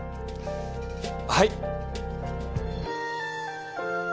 はい。